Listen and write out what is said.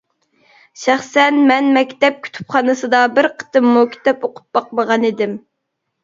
شەخسەن مەن مەكتەپ كۇتۇپخانىسىدا بىر قېتىممۇ كىتاب ئوقۇپ باقمىغانىدىم.